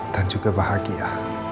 dan juga bahagia